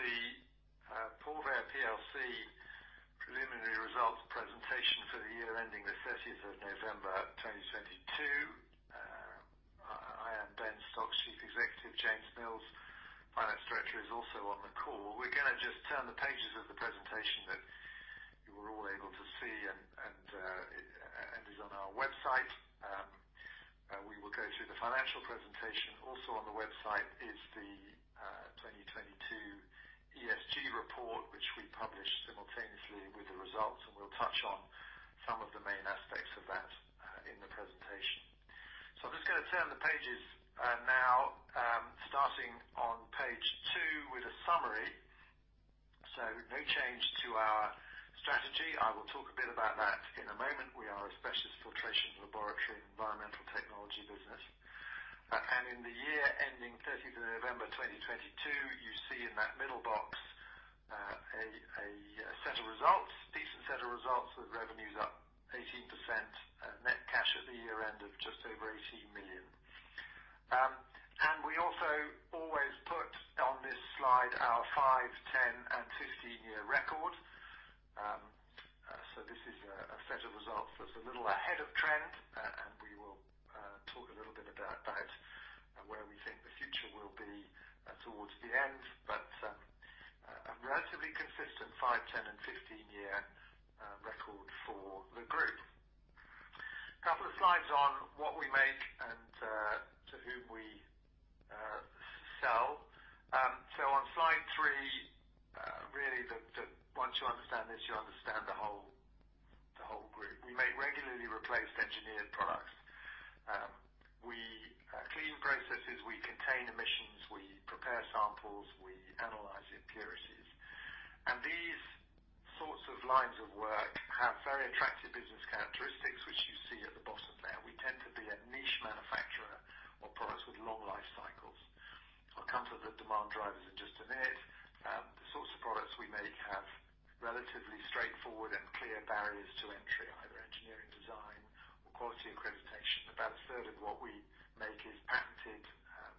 Good morning, everybody. This is the Porvair plc preliminary results presentation for the year ending the 30th of November, 2022. I am Ben Stocks, Chief Executive. James Mills, Finance Director is also on the call. We're gonna just turn the pages of the presentation that you were all able to see and is on our website. We will go through the financial presentation. Also on the website is the 2022 ESG report, which we published simultaneously with the results, and we'll touch on some of the main aspects of that in the presentation. I'm just gonna turn the pages now, starting on page two with a summary. No change to our strategy. I will talk a bit about that in a moment. We are a specialist filtration Laboratory, environmental technology business. In the year ending 30th of November, 2022, you see in that middle box a set of results. Decent set of results with revenues up 18%, net cash at the year-end of just over 18 million. We also always put on this slide our five, 10, and 15 year record. This is a set of results that's a little ahead of trend, and we will talk a little bit about that and where we think the future will be towards the end. A relatively consistent five, 10, and 15 year record for the group. Couple of slides on what we make and to whom we sell. On slide three, really once you understand this, you understand the whole group. We make regularly replaced engineered products. We clean processes, we contain emissions, we prepare samples, we analyze impurities. These sorts of lines of work have very attractive business characteristics, which you see at the bottom there. We tend to be a niche manufacturer of products with long life cycles. I'll come to the demand drivers in just a minute. The sorts of products we make have relatively straightforward and clear barriers to entry, either engineering design or quality accreditation. About a third of what we make is patented,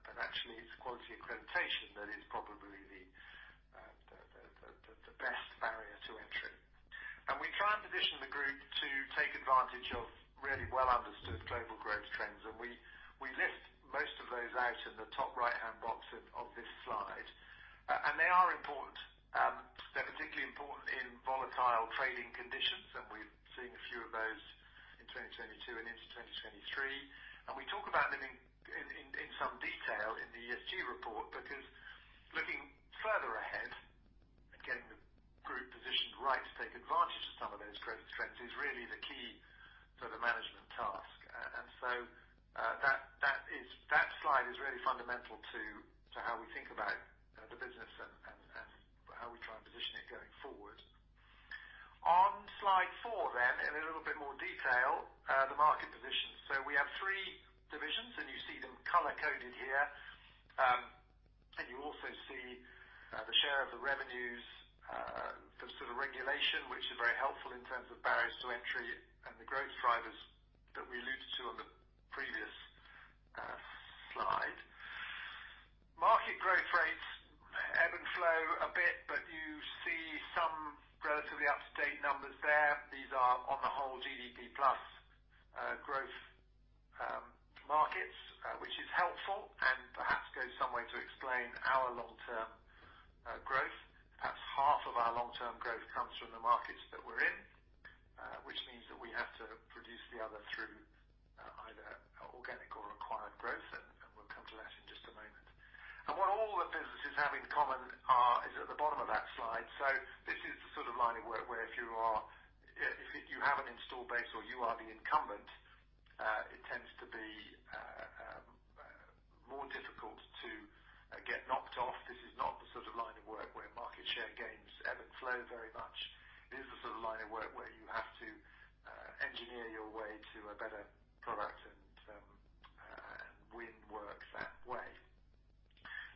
but actually it's quality accreditation that is probably the best barrier to entry. We try and position the group to take advantage of really well understood global growth trends. We list most of those out in the top right-hand box of this slide. They are important. They're particularly important in volatile trading conditions, and we've seen a few of those in 2022 and into 2023. We talk about them in some detail in the ESG report, because looking further ahead and getting the group positioned right to take advantage of some of those growth trends is really the key to the management task. That slide is really fundamental to how we think about the business and how we try and position it going forward. On slide four, in a little bit more detail, the market position. We have three divisions, and you see them color-coded here. You also see the share of the revenues, the sort of regulation, which is very helpful in terms of barriers to entry and the growth drivers that we alluded to on the previous slide. Market growth rates ebb and flow a bit, but you see some relatively up-to-date numbers there. These are on the whole GDP plus growth markets, which is helpful and perhaps goes some way to explain our long-term growth. Perhaps half of our long-term growth comes from the markets that we're in, which means that we have to produce the other through either organic or acquired growth. We'll come to that in just a moment. What all the businesses have in common is at the bottom of that slide. This is the sort of line of work where if you have an install base or you are the incumbent, it tends to be more difficult to get knocked off. This is not the sort of line of work where market share gains ebb and flow very much. It is the sort of line of work where you have to engineer your way to a better product and win work that way.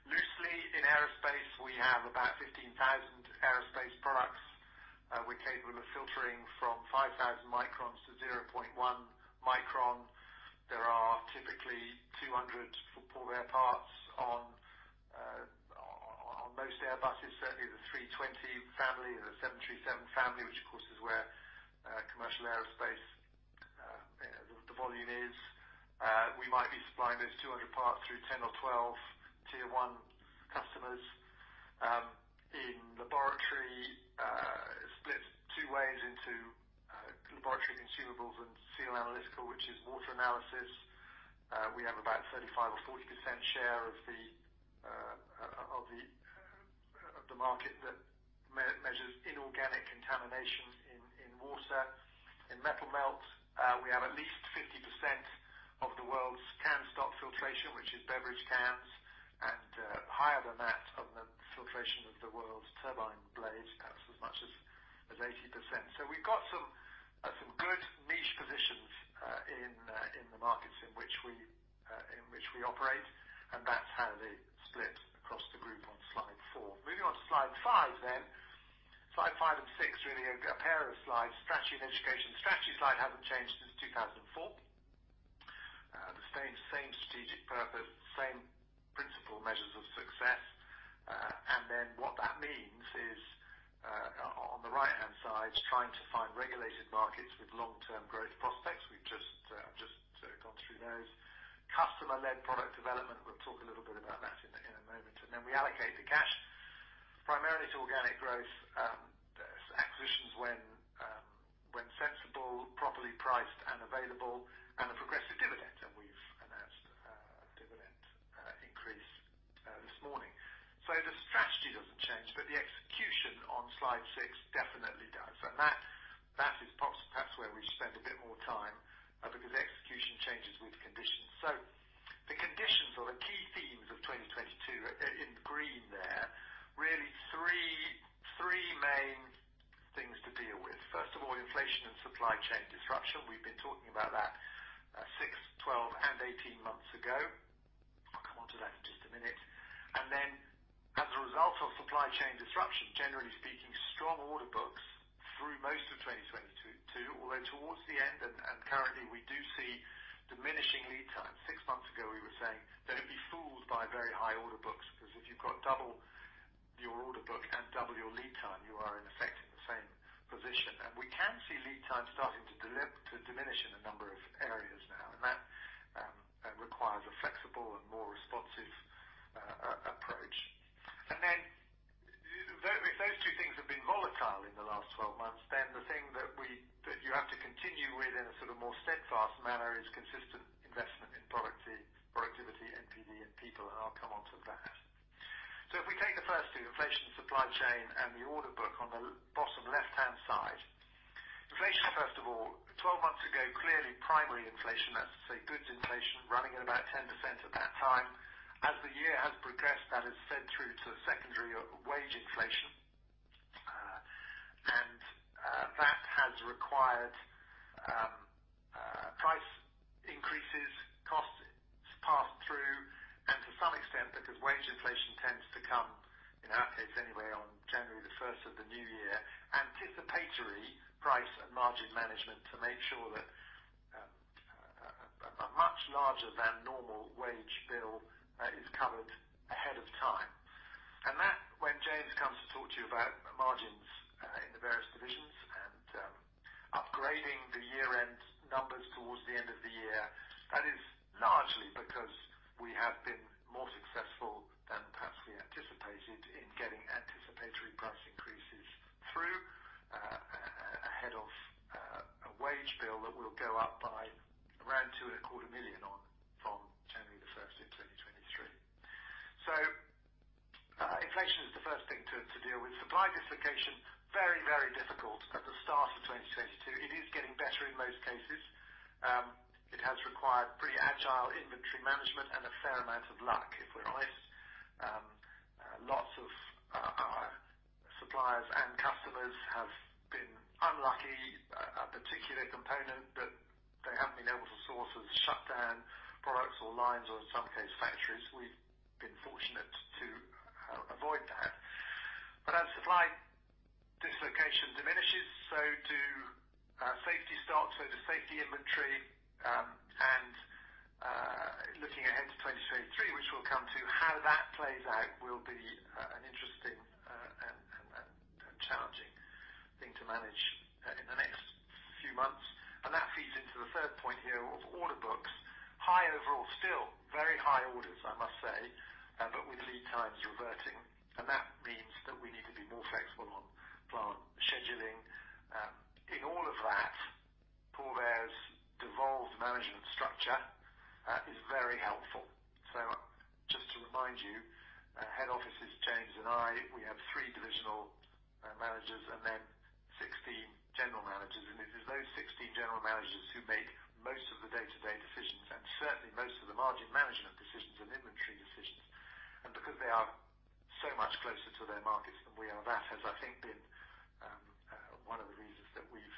Loosely in aerospace, we have about 15,000 aerospace products. We're capable of filtering from 5,000 microns to 0.1 micron. There are typically 200 Porvair parts on most Airbuses, certainly the A320 family and the 737 family, which of course is where commercial aerospace, you know, the volume is. We might be supplying those 200 parts through 10 or 12 tier one customers. In Laboratory splits two ways into Laboratory consumables and SEAL Analytical, which is water analysis. We have about 35% or 40% share of the market that measures inorganic contamination in water. In Metal Melt Quality, we have at least 50% of the world's can stock filtration, which is beverage cans, and higher than that of the filtration of the world's turbine blades. Perhaps as much as 80%. We've got some good niche positions in the markets in which we operate, and that's how they split. Slide five. Slide five and six really are a pair of slides, strategy and education. Strategy slide hasn't changed since 2004. The same strategic purpose, same principle measures of success. Then what that means is, on the right-hand side, trying to find regulated markets with long-term growth prospects. We've just gone through those. Customer-led product development, we'll talk a little bit about that in a moment. Then we allocate the cash primarily to organic growth, acquisitions when sensible, properly priced and available, and a progressive dividend. We've announced a dividend increase this morning. The strategy doesn't change, but the execution on slide 6 definitely does. That, perhaps where we should spend a bit more time, because execution changes with conditions. The conditions or the key themes of 2022 in green there, really three main things to deal with. First of all, inflation and supply chain disruption. We've been talking about that, six, 12 and 18 months ago. I'll come onto that in just a minute. As a result of supply chain disruption, generally speaking, strong order books through most of 2022. Although towards the end and currently we do see diminishing lead times. Six months ago we were saying, don't be fooled by very high order books, because if you've got double your order book and double your lead time, you are in effect in the same position. We can see lead time starting to diminish in a number of areas now, and that requires a flexible and more responsive approach. Then those two things have been volatile in the last 12 months, then the thing that you have to continue with in a sort of more steadfast manner is consistent investment in productivity, NPD and people, and I'll come on to that. If we take the first two, inflation, supply chain and the order book on the bottom left-hand side. Inflation first of all. 12 months ago, clearly primary inflation, that's to say goods inflation, running at about 10% at that time. As the year has progressed, that has fed through to secondary wage inflation. That has required price increases, costs passed through, and to some extent because wage inflation tends to come, in our case anyway, on January 1st of the new year, anticipatory price and margin management to make sure that a much larger than normal wage bill is covered ahead of time. When James comes to talk to you about margins in the various divisions and upgrading the year-end numbers towards the end of the year, that is largely because we have been more successful than perhaps we anticipated in getting anticipatory price increases through ahead of a wage bill that will go up by around two and a quarter million on from January 1st in 2023. Inflation is the first thing to deal with. Supply dislocation, very, very difficult at the start of 2022. It is getting better in most cases. It has required pretty agile inventory management and a fair amount of luck, if we're honest. Lots of our suppliers and customers have been unlucky. A particular component that they haven't been able to source has shut down products or lines or in some cases factories. We've been fortunate to avoid that. As supply dislocation diminishes, so do safety stocks, so does safety inventory. Looking ahead to 2023, which we'll come to, how that plays out will be an interesting and challenging thing to manage in the next few months. That feeds into the third point here of order books. High overall, still very high orders I must say, but with lead times reverting. That means that we need to be more flexible on plant scheduling. In all of that, Porvair's devolved management structure is very helpful. Just to remind you, head office is James and I, we have three divisional managers and then 16 general managers. It is those 16 general managers who make most of the day-to-day decisions and certainly most of the margin management decisions and inventory decisions. Because they are so much closer to their markets than we are, that has, I think, been one of the reasons that we've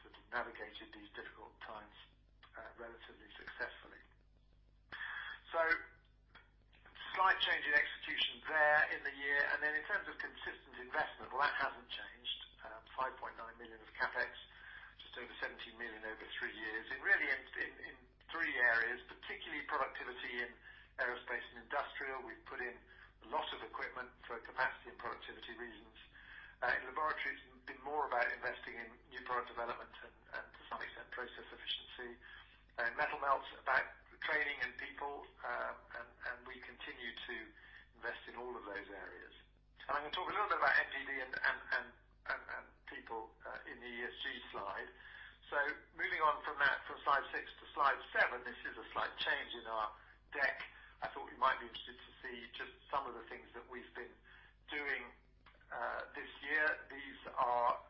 sort of navigated these difficult times relatively successfully. Slight change in execution there in the year. In terms of consistent investment, well, that hasn't changed. 5.9 million of CapEx, just over 17 million over three years. It really ended in three areas, particularly productivity in Aerospace & Industrial. We've put in a lot of equipment for capacity and productivity reasons. In Laboratory it's been more about investing in new product development and to some extent process efficiency. Metal Melt Quality, about training and people. We continue to invest in all of those areas. I'm gonna talk a little bit about MGD and people in the ESG slide. Moving on from that, from slide six to slide seven, this is a slight change in our deck. I thought you might be interested to see just some of the things that we've been doing this year. These are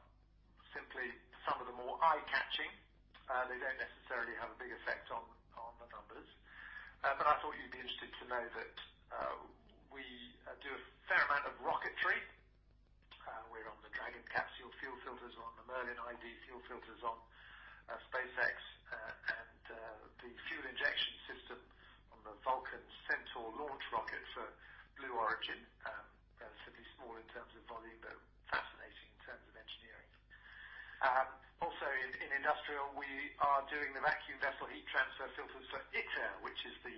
simply some of the more eye-catching. They don't necessarily have a big effect on the numbers. I thought you'd be interested to know that we do a fair amount of rocket filters on the Merlin 1D, fuel filters on SpaceX, and the fuel injection system on the Vulcan Centaur launch rocket for Blue Origin. Relatively small in terms of volume, but fascinating in terms of engineering. Also in Industrial, we are doing the vacuum vessel heat transfer filters for ITER, which is the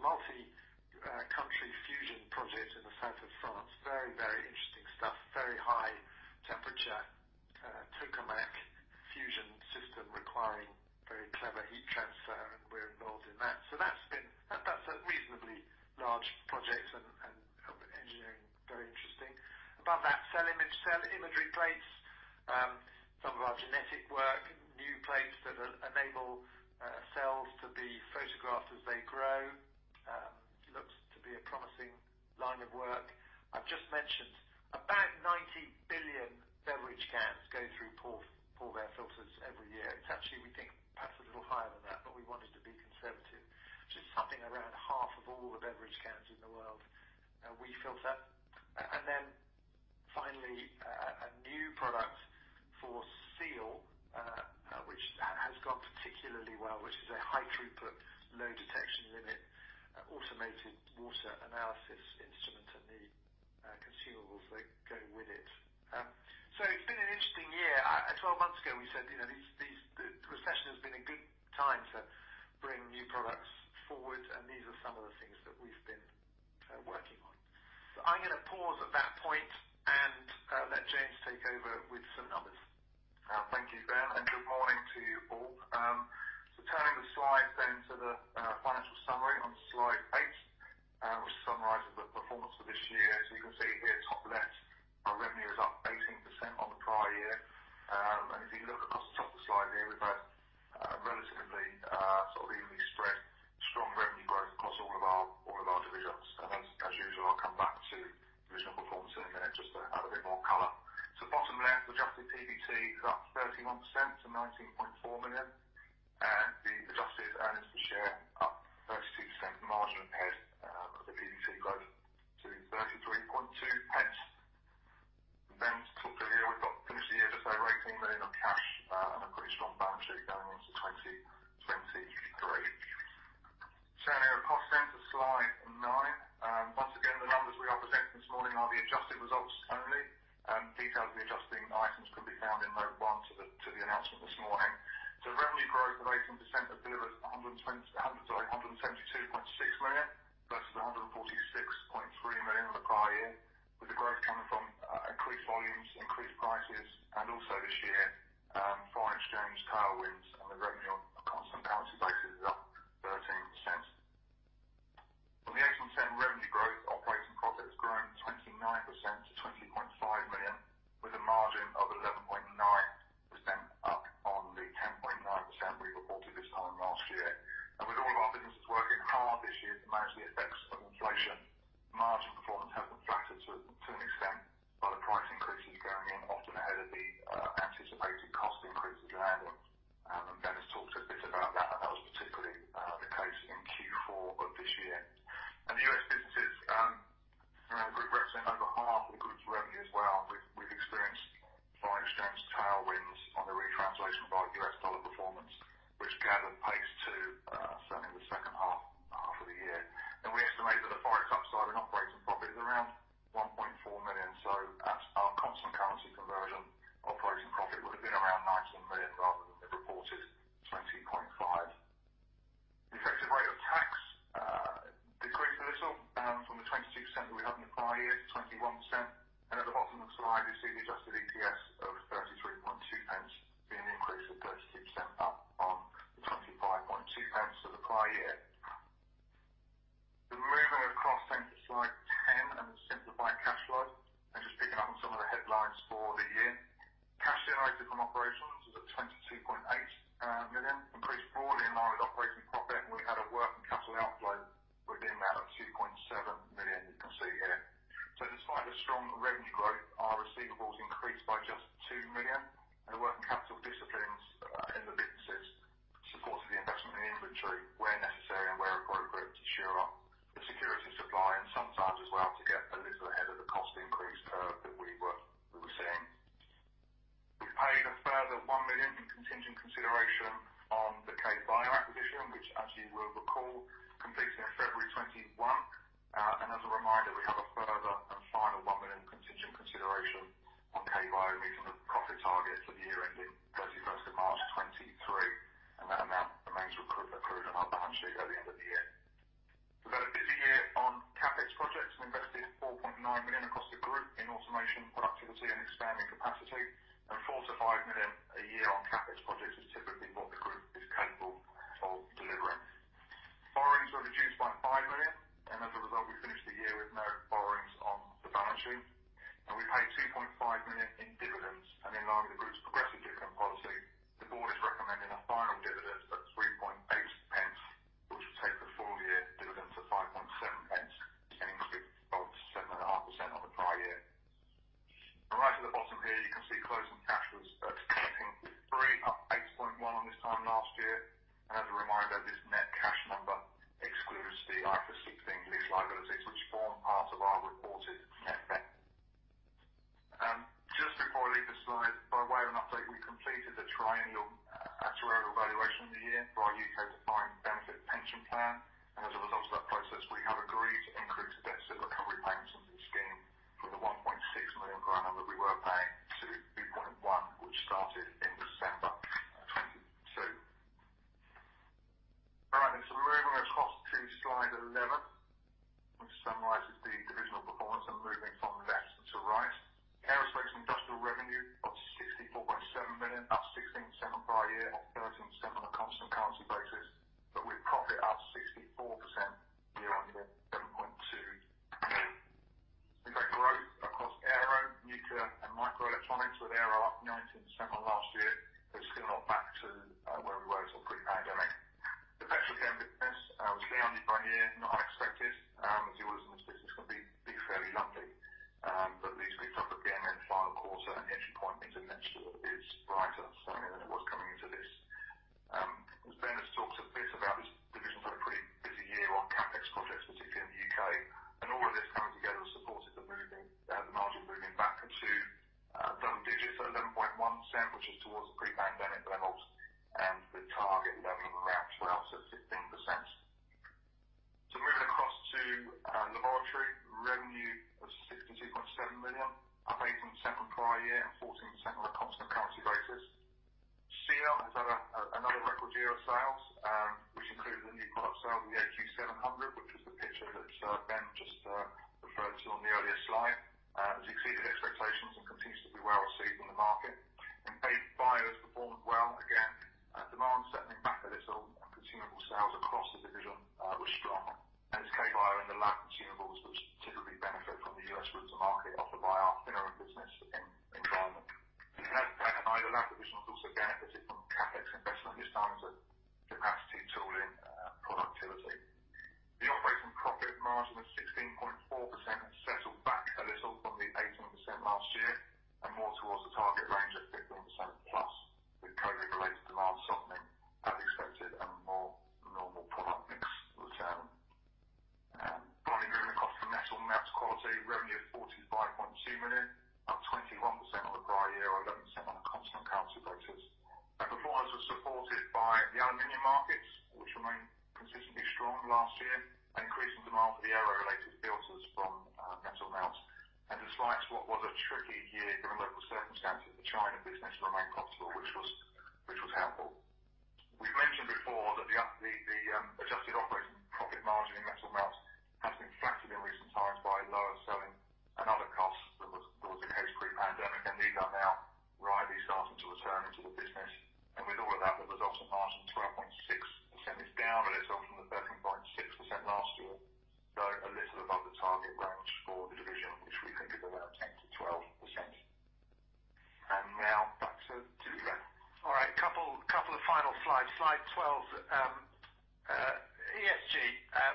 multi-country fusion project in the south of France. Very interesting stuff. Very high temperature, tokamak fusion system requiring very clever heat transfer, and we're involved in that. That's a reasonably large project and engineering, very interesting. Above that, cell image, cell imagery plates, some of our genetic work, new plates that enable cells to be photographed as they grow, looks to be a promising line of work. I've just mentioned about 90 billion beverage cans go through Porvair filters every year. It's actually, we think, perhaps a little higher than that, but we wanted to be conservative. Just something around half of all the beverage cans in the world, we filter. Finally, a new product for SEAL, which has gone particularly well, which is a high throughput, low detection limit, automated water analysis instrument and the consumables that go with it. It's been an interesting year. 12 months ago we said, you know, these the recession has been a good time to bring new products forward, and these are some of the things that we've been working on. I'm gonna pause at that point and let James take over with some numbers. Thank you, Ben, and good morning to you all. Turning the slide then to the financial summary on slide eight, which summarizes the performance for this year. You can see here top left, our revenue is up 18% on the prior year. If you look across the top of the slide here, we've had relatively evenly spread strong revenue growth across all of our divisions. As usual, I'll come back to regional performance in a minute just to add a bit more color. Bottom left, adjusted PBT is up 31% to 19.4 million. The adjusted EPS up 32%. Margin ahead of the PBT growth to 33.2 pence. Top of here, we've got finished the year with GBP rating million of cash and a pretty strong balance sheet going into 2023. Turning our cost to slide nine. Once again, the numbers we are presenting this morning are the adjusted results only. Details of the adjusting items can be found in note one to the announcement this morning. Revenue growth of 18% has delivered 172.6 million, versus 146.3 million the prior year, with the growth coming from increased volumes, increased prices, and also this year, foreign exchange tailwinds and the revenue on a constant currency basis is up 13%. On the 18% revenue growth, operating profit has grown 29% to 20.5 million, with a margin of our receivables increased by just 2 million, and the working capital disciplines in the businesses supported the investment in the inventory where necessary and where appropriate to shore up the security supply and sometimes as well to get a little ahead of the cost increase curve that we were seeing. We paid a further 1 million in contingent consideration on the K-Bio acquisition, which as you will recall, completed in February 2021. As a reminder, we have a further and final GBP 1 million contingent consideration on K-Bio meeting the profit target for the year ending 31st of March 2023, and that amount remains accrued on our balance sheet at the end of the year. We've had a busy year on CapEx projects and invested 4.9 million across the group in automation, productivity, and expanding capacity. 4 million-5 million a year on CapEx projects is typically what the group is capable of delivering. Borrowings were reduced by 5 million, and as a result, we finished the year with no borrowings on the balance sheet. We paid 2.5 million in dividends. In line with the group's progressive dividend policy, the board is recommending a final dividend of 3.8 pence, which will take the full year dividend to 5.7 pence, ending with growth of 7.5% on the prior year. Right at the bottom here, you can see closing cash was at 23, up 8.1 on this time last year. These liabilities which form part of our reported net debt. Just before I leave this slide, by way of an update, we completed the triannual actuarial valuation of the year for our UK defined benefit pension plan. As a result of that process, we have agreed to increase deficit recovery payments into the scheme from the 1.6 million number that we were paying to 2.1 million, which started in December of 2022. All right, moving across to slide 11, which summarizes the divisional performance and moving from left to right. more towards the target range of 15% plus, with COVID-related demand softening as expected and more normal product mix to the town. Finally moving across to Metal Melt Quality, revenue of 45.2 million, up 21% on the prior year or 11% on a constant currency basis. Performance was supported by the aluminum markets, which remained consistently strong last year, increasing demand for the aero-related filters from metal melts. Despite what was a tricky year given local circumstances, the China business remained profitable, which was helpful. We've mentioned before that the adjusted operating profit margin in Metal Melt has been flattered in recent times by lower selling and other costs than was the case pre-pandemic, and these are now rightly starting to return into the business. With all of that, the resulting margin of 12.6% is down a little from the 13.6% last year. A little above the target range for the division, which we think is around 10%-12%. Now back to you, Ben. All right. Couple of final slides. Slide 12. ESG,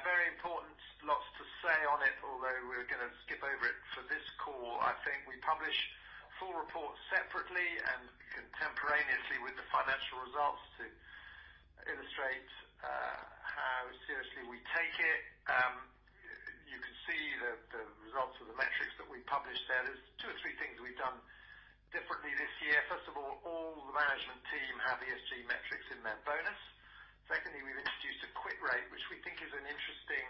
very important. Lots to say on it, although we're gonna skip over it for this call. I think we publish full reports separately and contemporaneously with the financial results to illustrate how seriously we take it. You can see the results of the metrics that we publish there. There's two or three things we've done differently this year. First of all the management team have ESG metrics in their bonus. Secondly, we've introduced a quit rate, which we think is an interesting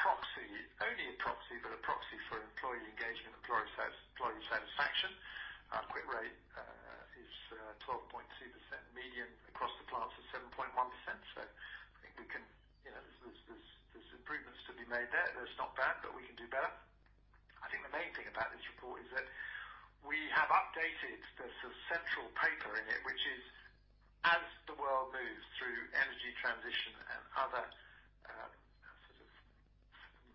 proxy, only a proxy, but a proxy for employee engagement and employee satisfaction. Our quit rate is 12.2%, median across the plant is 7.1%. I think we can. You know, there's improvements to be made there. That's not bad, we can do better. I think the main thing about this report is that we have updated, there's a central paper in it, which is as the world moves through energy transition and other sort of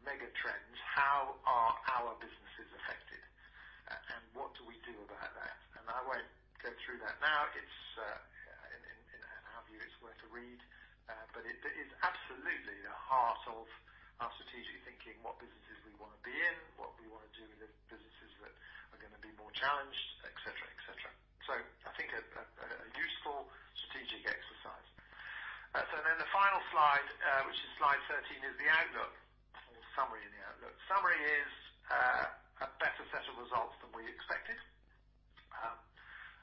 mega trends, how are our businesses affected and what do we do about that? I won't go through that now. It's in our view, it's worth a read. It is absolutely the heart of our strategic thinking, what businesses we wanna be in, what we wanna do with the businesses that are gonna be more challenged, et cetera, et cetera. I think a useful strategic exercise. The final slide, which is slide 13, is the outlook or summary of the outlook. Summary is a better set of results than we expected.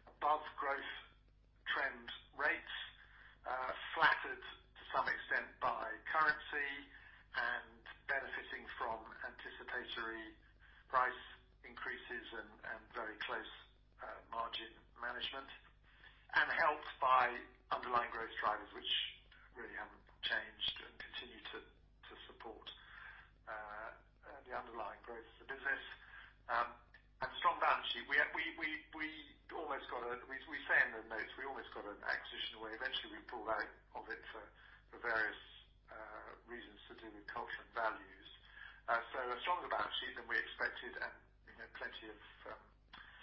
Above growth trend rates, flattered to some extent by currency and benefiting from anticipatory price increases and very close margin management, and helped by underlying growth drivers which really haven't changed and continue to support the underlying growth of the business. A strong balance sheet. We almost got an acquisition. We say in the notes we almost got an acquisition where eventually we pulled out of it for various reasons to do with culture and values. A stronger balance sheet than we expected and, you know, plenty of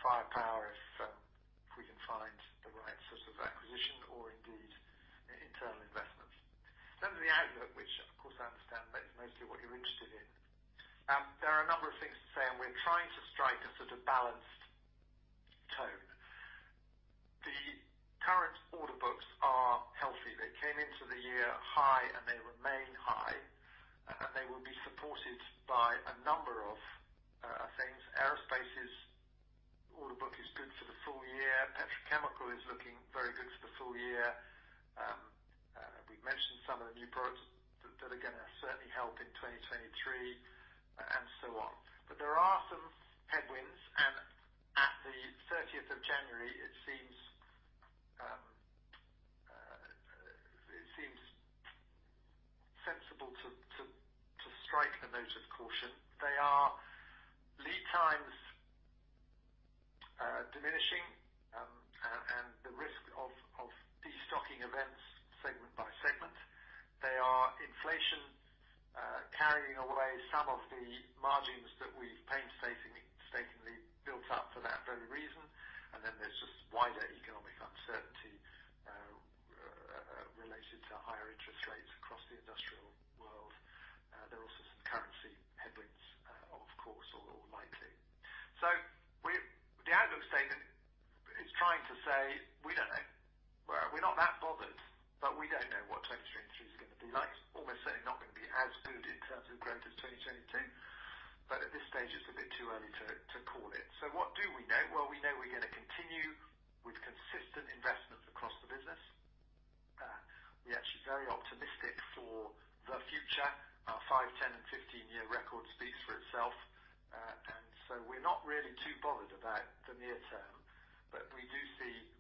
firepower if if we can find the right sort of acquisition or indeed internal investments. To the outlook, which of course I understand that is mostly what you're interested in. There are a number of things to say, and we're trying to strike a sort of balance. Healthy. They came into the year high, and they remain high, and they will be supported by a number of things. Aerospace's order book is good for the full year. Petrochemical is looking very good for the full year. We've mentioned some of the new products that are gonna certainly help in 2023 and so on. There are some headwinds, and at the 13th of January, it seems sensible to strike a note of caution. They are lead times diminishing, and the risk of destocking events segment by segment. They are inflation carrying away some of the margins that we've painstakingly built up for that very reason. There's just wider economic uncertainty related to higher interest rates across the industrial world. There are also some currency headwinds, of course, or likely. The outlook statement is trying to say, we don't know. We're not that bothered, but we don't know what 2023 is gonna be like. It's almost certainly not gonna be as good in terms of growth as 2022, but at this stage it's a bit too early to call it. What do we know? Well, we know we're gonna continue with consistent investments across the business. We're actually very optimistic for the future. Our 5, 10, and 15 year record speaks for itself. We're not really too bothered about the near term, but we do see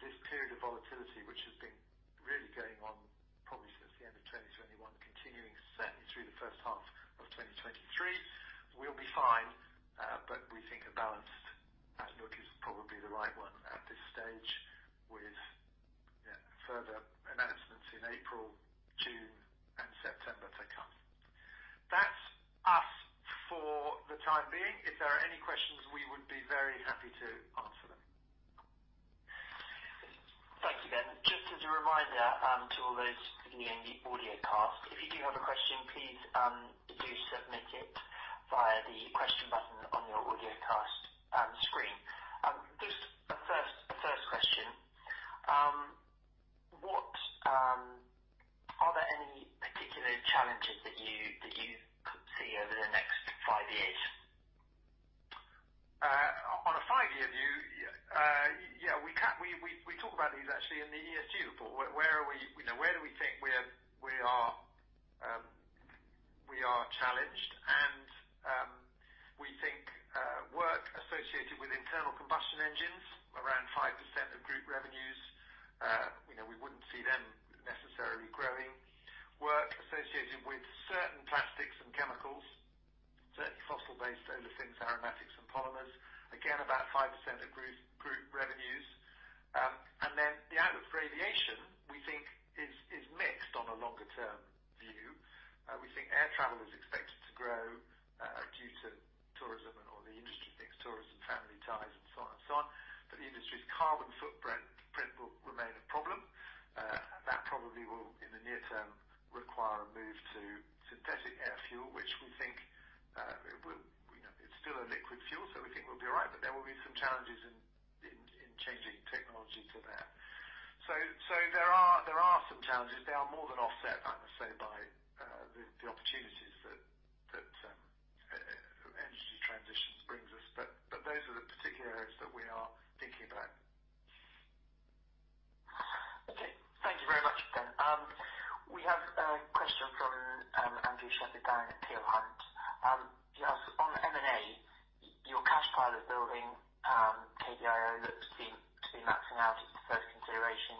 this period of volatility, which has been really going on probably since the end of 2021, continuing certainly through the first half of 2023. We'll be fine, we think a balanced outlook is probably the right one at this stage with, yeah, further announcements in April, June, and September to come. That's us for the time being. If there are any questions, we would be very happy to answer them. Thank you, Ben. Just as a reminder, to all those listening in the audio cast, if you do have a question, please do submit it via the question button on your audio cast screen. Just a first question. Are there any particular challenges that you could see over the next five years? On a 5-year view, yeah, We talk about these actually in the ESG report. Where are we, you know, where do we think we're, we are, we are challenged and we think work associated with internal combustion engines, around 5% of group revenues, you know, we wouldn't see them necessarily growing. Work associated with certain plastics and chemicals, certain fossil-based olefins, aromatics, and polymers, again about 5% of group revenues. The outlook for aviation, we think is mixed on a longer term view. We think air travel is expected to grow, due to tourism and all the industry things, tourism, family ties and so on. The industry's carbon footprint will remain a problem. That probably will, in the near term, require a move to synthetic air fuel, which we think, it will, you know, it's still a liquid fuel, so we think we'll be all right. There will be some challenges in changing technology to that. There are some challenges. They are more than offset, I must say, by the opportunities that energy transitions brings us. Those are the particular areas that we are thinking about. Okay. Thank you very much, Ben. We have a question from Andrew Shepherd-Barron down at Peel Hunt. He asks, "On M&A, your cash pile is building, KBIO looks to be maxing out as the first consideration.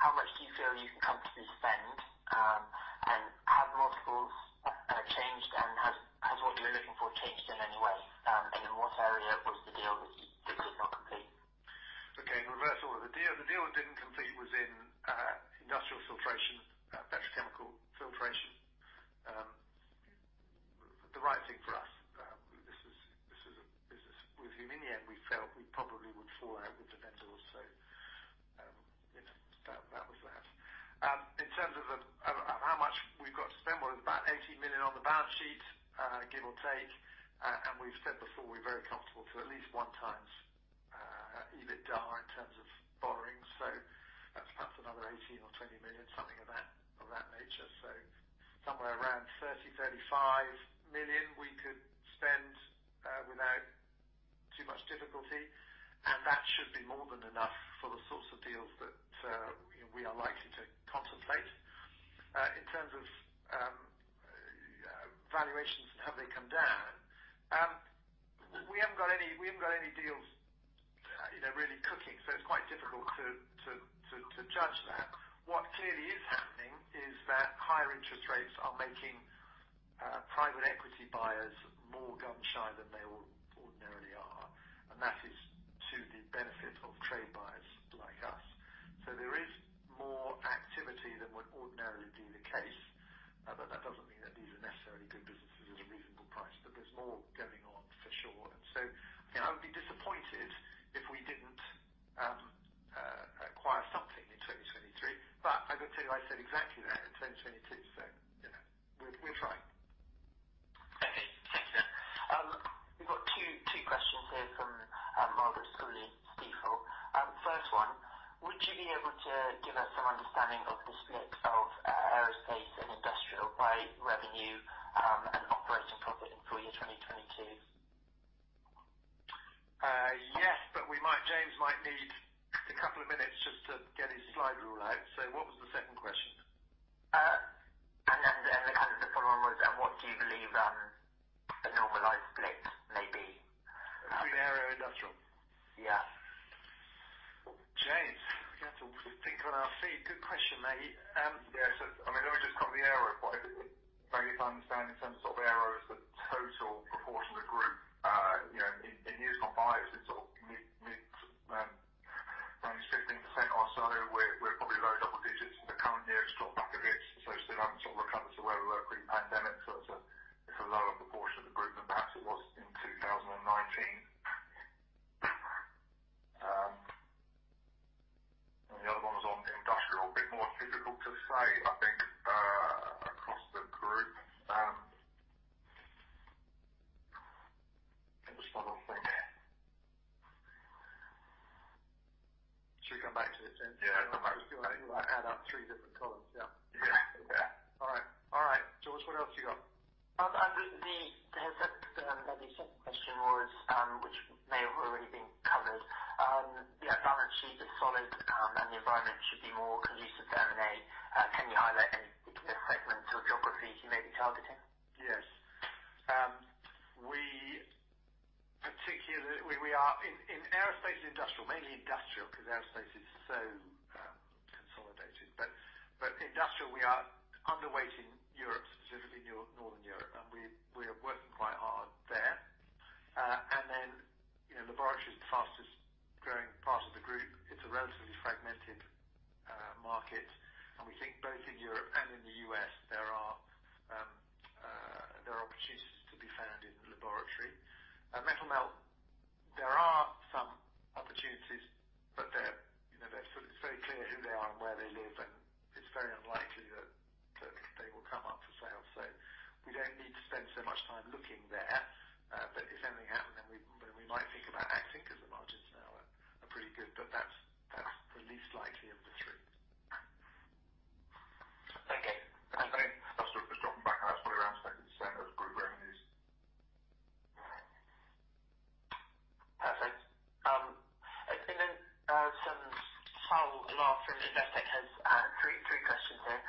How much do you feel you can comfortably spend? Have multiples changed? Has what you were looking for changed in any way? In what area was the deal that you did not complete? Okay. In reverse order. The deal that didn't complete was in industrial filtration, petrochemical filtration. The right thing for us. This is a business where in the end we felt we probably would fall out with the vendor, so, you know, that was that. In terms of how much we've got to spend, well, there's about GBP 18 million on the balance sheet, give or take. We've said before, we're very comfortable to at least one times EBITDA in terms of borrowing. That's perhaps another 18 million or 20 million, something of that nature. Somewhere around 30 million-35 million we could spend without too much difficulty. That should be more than enough for the sorts of deals that, you know, we are likely to contemplate. In terms of valuations and have they come down, we haven't got any deals, you know, really cooking, so it's quite difficult to judge that. What clearly is happening is that higher interest rates are making private equity buyers more gun-shy than they ordinarily are, and that is to the benefit of trade buyers like us. There is more activity than would ordinarily be the case, but that doesn't mean that these are necessarily good businesses at a reasonable price. There's more going on for sure. You know, I would be disappointed if we didn't acquire something in 2023. I've got to tell you, I said exactly that in 2022, you know, we're trying. First one, would you be able to give us some understanding of the split of Aerospace & Industrial by revenue, and operating profit in full year 2022? Yes, James might need a couple of minutes just to get his slides all out. What was the second question? Kind of the follow on was, and what do you believe, a normalized split may be? Between Aero and Industrial? Yeah. James, we have to think on our feet. Good question, mate. Yes. I mean, let me just cover the Aero part. Maybe if I understand in terms of Aero is the total proportion of the group. you know, in years gone by, it's been sort of mid, maybe 15% or so. We're, we're probably low double digits in the current year. It's dropped back a bit, still haven't sort of recovered to where we were pre-pandemic. It's a, it's a lower proportion of the group than perhaps it was in 2019. The other one was on Industrial. A bit more difficult to say. I think, across the group. Just one other thing. Should we come back to this then? Yeah. I feel like I add up three different columns, yeah. Yeah. All right. All right, George, what else you got? The second question was, which may have already been covered. The balance sheet is solid, and the environment should be more conducive to M&A. Can you highlight any segments or geographies you may be targeting? Yes. We are in Aerospace & Industrial, mainly industrial, 'cause aerospace is so consolidated. Industrial, we are underweight in Europe, specifically Northern Europe, and we are working quite hard there. Then, you know, Laboratory is the fastest growing part of the group. It's a relatively fragmented market, and we think both in Europe and in the U.S., there are opportunities to be found in Laboratory. At Metal Melt, there are some opportunities, but they're, you know, they're sort of very clear who they are and where they live, and it's very unlikely that they will come up for sale. We don't need to spend so much time looking there. If anything happened, then we might think about acting 'cause the margins now are pretty good, but that's the least likely of the three. Thank you. Okay. I'll sort of just drop back. That's probably around 10% of group revenues. Perfect. Okay, some final last from Investec has three questions here.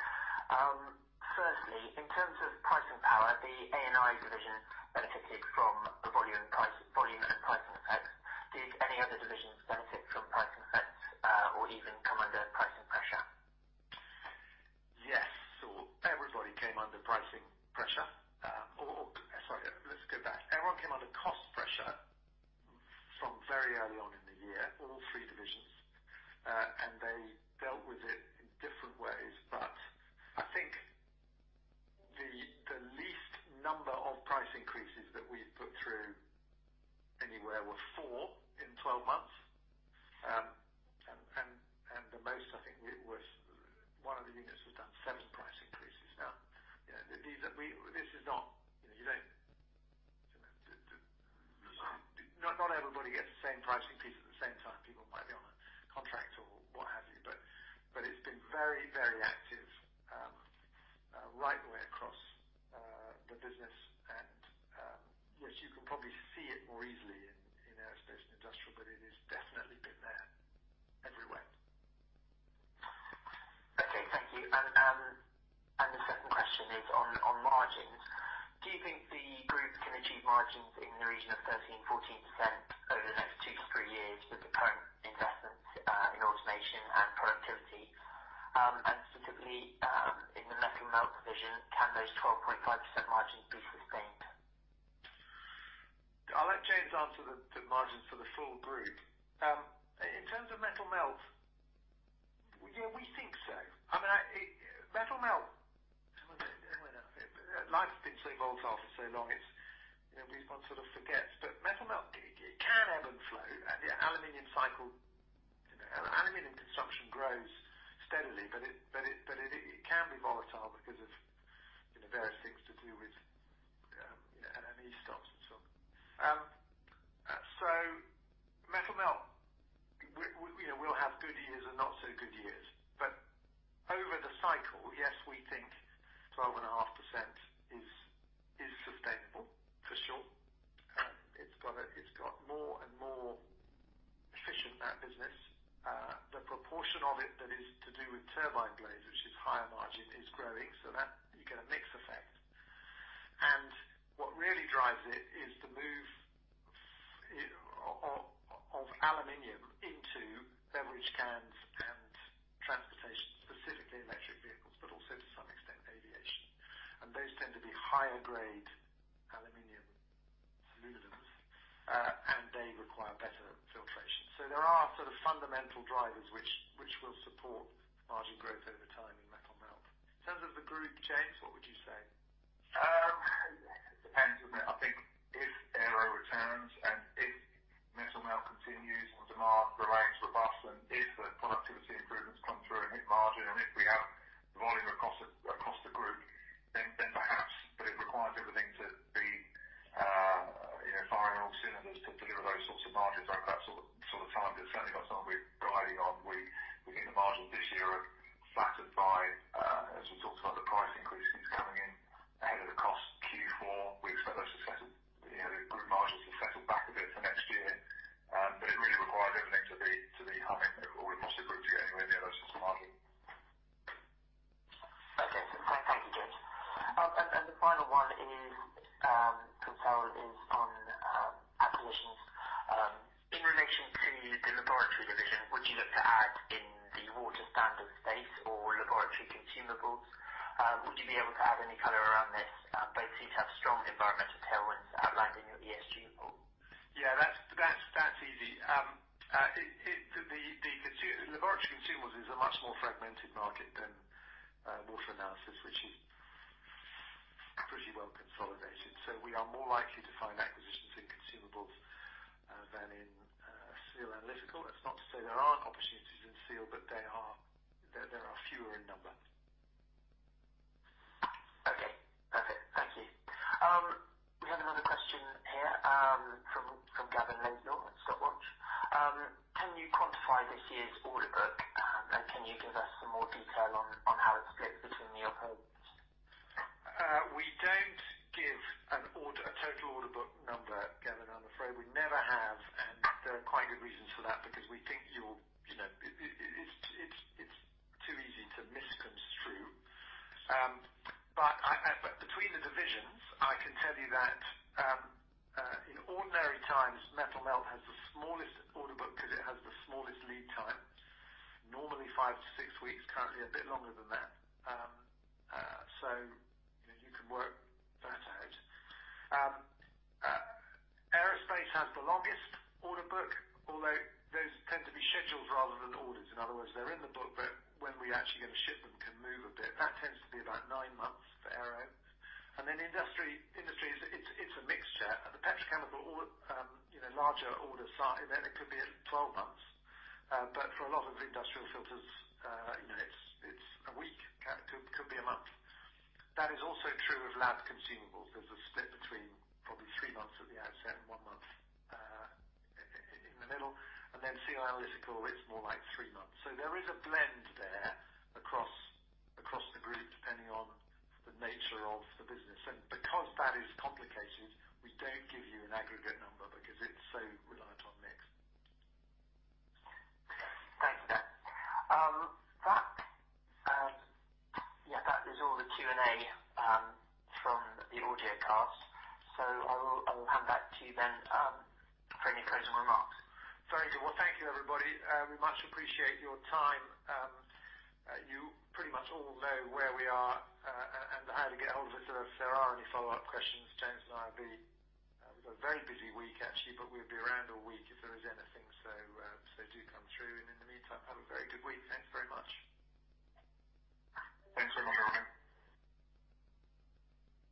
Firstly, in terms of pricing power, the A&I division benefited from the volume and pricing effect. Did any other divisions benefit from pricing effects, or even come under pricing pressure? Everybody came under pricing pressure. Or sorry. Let's go back. Everyone came under cost pressure from very early on in the year, all three divisions. They dealt with it in different ways. Metal Melt, we, you know, we'll have good years and not so good years. Over the cycle, yes, we think 12.5% is sustainable for sure. It's got more and more efficient, that business. The proportion of it that is to do with turbine blades, which is higher margin, is growing so that you get a mix effect. What really drives it is the move of aluminum into beverage cans and transportation, specifically electric vehicles, but also to some extent aviation. Those tend to be higher grade aluminum alloys, and they require better filtration. There are sort of fundamental drivers which will support margin growth over time in Metal Melt. In terms of the group, James, what would you say? It depends, isn't to the Laboratory division, would you look to add in the water standard space or laboratory consumables? Would you be able to add any color around this? Basically to have strong environmental tailwinds outlined in your ESG report. Yeah, that's easy. The Laboratory consumables is a much more fragmented market than water analysis, which is pretty well consolidated. We are more likely to find acquisitions in consumables than in SEAL Analytical. That's not to say there aren't opportunities in SEAL, but they are. There are fewer in number. Okay, perfect. Thank you. We have another question here, from Gavin Lesnor at. [inaudible] Can you quantify this year's order book, and can you give us some more detail on how it's split between your homes? We don't give a total order book number, Gavin, I'm afraid. We never have, and there are quite good reasons for that, because we think you'll, you know, it's too easy to misconstrue. Between the divisions, I can tell you that in ordinary times, Metal Melt has the smallest order book 'cause it has the smallest lead time, normally five to six weeks, currently a bit longer than that. You can work that out. Aerospace has the longest order book, although those tend to be schedules rather than orders. In other words, they're in the book, but when we actually get a shipment can move a bit. That tends to be about nine months for Aero. Industry is, it's a mixture. The petrochemical or, you know, larger order size, then it could be at 12 months. For a lot of industrial filters, you know, it's a week, could be a month. That is also true of lab consumables. There's a split between probably three months at the outset and one month in the middle. Then SEAL Analytical, it's more like three months. There is a blend there across the group, depending on the nature of the business. Because that is complicated, we don't give you an aggregate number because it's so reliant on mix. Thanks for that. that, yeah, that is all the Q&A, from the audio cast. I will hand back to you then, for any closing remarks. Very good. Well, thank you everybody. We much appreciate your time. You pretty much all know where we are, and how to get a hold of us if there are any follow-up questions. We've a very busy week actually, but we'll be around all week if there is anything. Do come through, and in the meantime, have a very good week. Thanks very much. Thanks everyone.